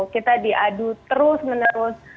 kita diadu terus menerus